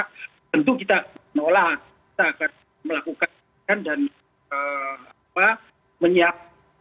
tentu kita menolak kita akan melakukan dan menyiapkan